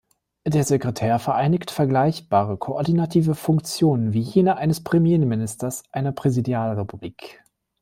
Der Sekretär vereinigt vergleichbare koordinative Funktionen, wie jene eines Premierministers einer Präsidialrepublik.